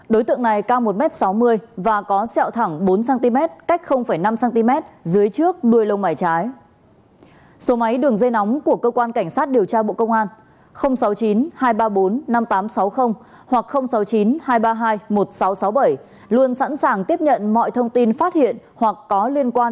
đối tượng này cao một m sáu mươi và có xeo thẳng bốn cm cách năm cm dưới chân